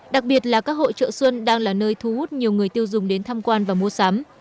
đặc biệt là các hội trợ xuân đang là nơi thu hút nhiều người tiêu dùng đến tham quan và mua sắm